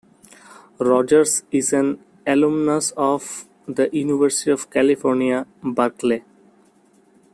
Rogers is an alumnus of the University of California, Berkeley.